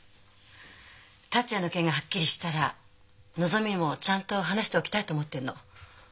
達也の件がはっきりしたらのぞみにもちゃんと話しておきたいと思ってるの。